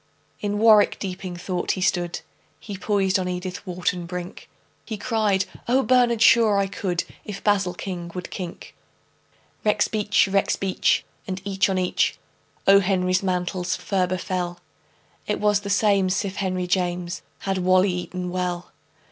In warwick deeping thought he stood He poised on edithwharton brink; He cried, "Ohbernardshaw! I could If basilking would kink." Rexbeach! rexbeach! and each on each O. Henry's mantles ferber fell. It was the same'sif henryjames Had wally eaton well.